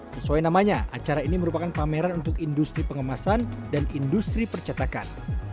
sesuai namanya acara ini merupakan pameran untuk industri pengemasan dan industri percetakan